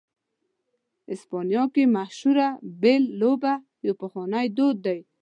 اسپانیا کې مشهوره "بل" لوبه یو پخوانی دود دی.